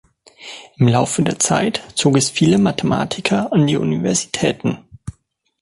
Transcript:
Im Laufe der Zeit zog es viele Mathematiker an die Universitäten.